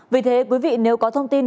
vì thế quý vị nếu có thông tin